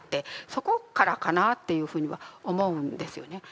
そこからかなというふうには思うんですよね。